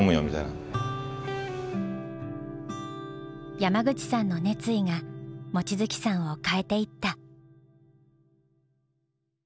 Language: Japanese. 山口さんの熱意が望月さんを変えていった。